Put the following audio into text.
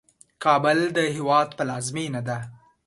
کابل د هیواد پلازمېنه ده.